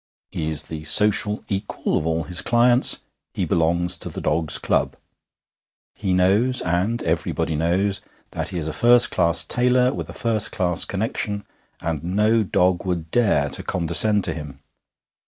He is the social equal of all his clients. He belongs to the dogs' club. He knows, and everybody knows, that he is a first class tailor with a first class connection, and no dog would dare to condescend to him.